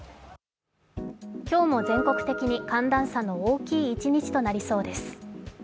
今日も全国的に寒暖差の大きい一日となりそうです。